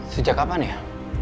sejak kapan ya